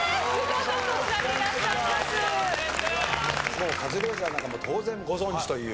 もうカズレーザーなんか当然ご存じという？